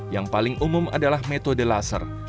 yang paling umum adalah metode laser